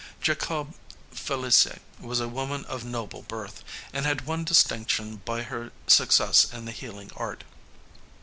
Jacobe Felicie was a woman of noble birth, and had won distinction by her success in the healing art.